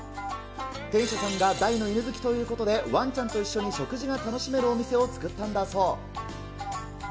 店主さんが大の犬好きということで、ワンちゃんと一緒に食事が楽しめるお店を作ったんだそう。